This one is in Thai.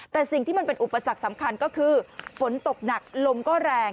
แต่สิ่งที่มันเป็นอุปสรรคสำคัญก็คือฝนตกหนักลมก็แรง